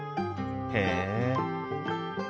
へえ！